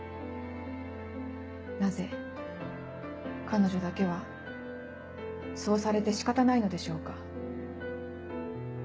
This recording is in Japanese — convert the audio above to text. なぜ彼女だけはそうされて仕方ないのでしょうか？